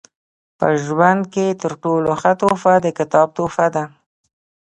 په ژوند کښي تر ټولو ښه تحفه د کتاب تحفه ده.